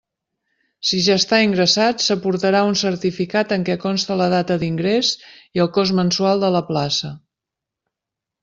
Si ja està ingressat, s'aportarà un certificat en què conste la data d'ingrés i el cost mensual de la plaça.